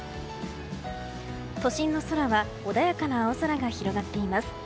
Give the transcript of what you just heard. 都心の空は穏やかな青空が広がっています。